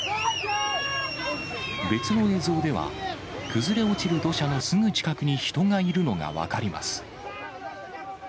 別の映像では、崩れ落ちる土砂のすぐ近くに人がいるのが分かります。